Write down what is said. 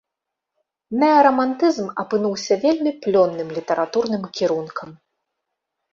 Неарамантызм апынуўся вельмі плённым літаратурным кірункам.